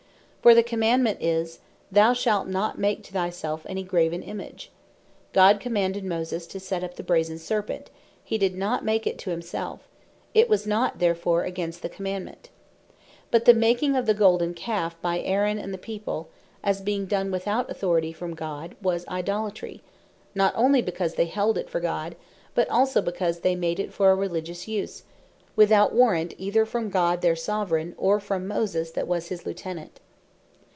For the Commandement is, "Thou shalt not make to thy selfe any graven image." God commanded Moses to set up the Brazen Serpent; hee did not make it to himselfe; it was not therefore against the Commandement. But the making of the Golden Calfe by Aaron, and the People, as being done without authority from God, was Idolatry; not onely because they held it for God, but also because they made it for a Religious use, without warrant either from God their Soveraign, or from Moses, that was his Lieutenant.